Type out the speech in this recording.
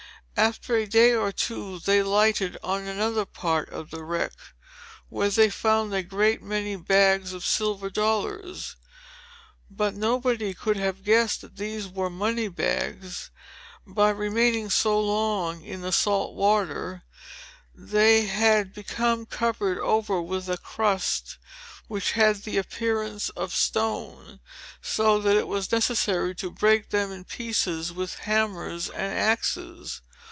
After a day or two they lighted on another part of the wreck, where they found a great many bags of silver dollars. But nobody could have guessed that these were money bags. By remaining so long in the salt water, they had become covered over with a crust which had the appearance of stone, so that it was necessary to break them in pieces with hammers and axes.